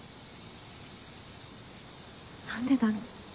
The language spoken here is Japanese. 何でだろう。